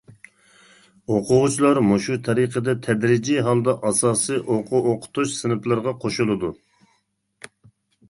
ئوقۇغۇچىلار مۇشۇ تەرىقىدە تەدرىجىي ھالدا ئاساسىي ئوقۇ-ئوقۇتۇش سىنىپلىرىغا قوشۇلىدۇ.